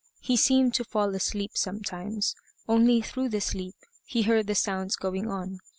He seemed to fall asleep sometimes, only through the sleep he heard the sounds going on.